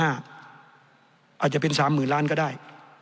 อาจจะเป็น๓๐๐๐ล้านก็ได้